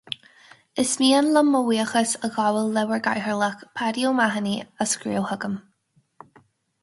Is mian liom mo bhuíochas a ghabháil le bhur gCathaoirleach, Paddy O'Mahony, as scríobh chugam